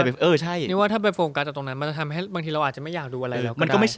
นึกว่าถ้าไปโฟกัสจากตรงนั้นมันจะทำให้บางทีเราอาจจะไม่อยากดูอะไรหรอก